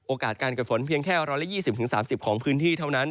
การเกิดฝนเพียงแค่๑๒๐๓๐ของพื้นที่เท่านั้น